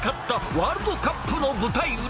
ワールドカップの舞台裏。